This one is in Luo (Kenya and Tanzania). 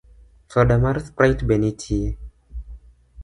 Soda mar sprite be nitie?